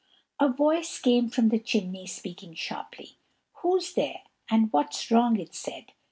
A voice came from the chimney speaking sharply: "Who's there, and what's wrong?" it said.